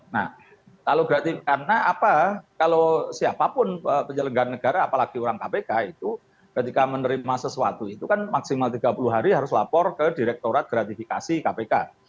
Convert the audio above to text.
nah kalau berarti karena apa kalau siapapun penyelenggaran negara apalagi orang kpk itu ketika menerima sesuatu itu kan maksimal tiga puluh hari harus lapor ke direktorat gratifikasi kpk